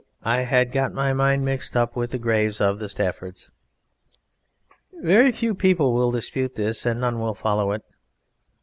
I had got my mind mixed up with the graves of the Staffords." Very few people will dispute this, none will follow it.